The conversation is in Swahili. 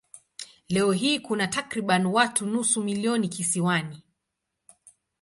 Leo hii kuna takriban watu nusu milioni kisiwani.